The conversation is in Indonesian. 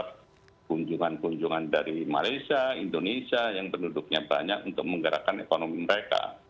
ada kunjungan kunjungan dari malaysia indonesia yang penduduknya banyak untuk menggerakkan ekonomi mereka